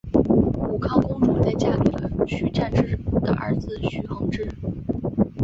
武康公主在嫁给了徐湛之的儿子徐恒之。